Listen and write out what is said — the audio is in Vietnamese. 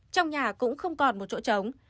trong nhà cũng không còn một chỗ trống